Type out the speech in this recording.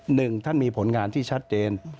หนึ่งท่านมีผลงานที่ชัดเจน